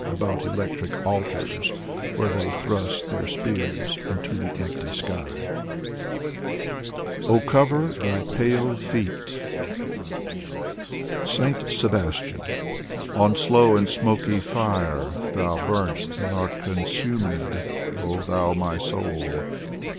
About electric altars where they thrust Their spears into the empty sfar," 88 Valery Brusov Oh, cover thy pale fedtl Valery Brusov 89 SAINT SEBASTIAN * On slow and smoky fire thou burn'st and art consumed, Oh, thou, my soul.